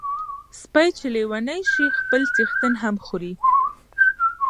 سپي چی لیوني سی خپل څښتن هم خوري .